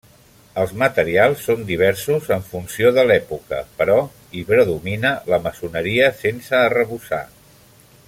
Els materials són diversos en funció de l'època, però hi predomina la maçoneria sense arrebossar.